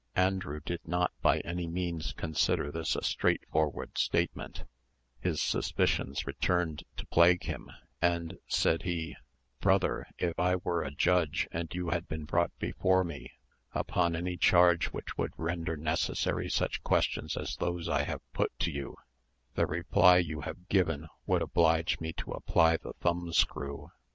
Andrew did not by any means consider this a straightforward statement: his suspicions returned to plague him; and, said he, "Brother, if I were a judge, and you had been brought before me upon any charge which would render necessary such questions as those I have put to you, the reply you have given would oblige me to apply the thumb screw.